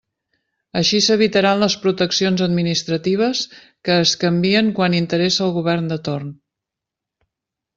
Així s'evitaran les proteccions administratives que es canvien quan interessa al govern de torn.